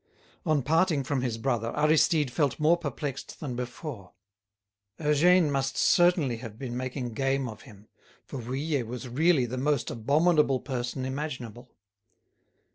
On parting from his brother, Aristide felt more perplexed than before. Eugène must certainly have been making game of him, for Vuillet was really the most abominable person imaginable.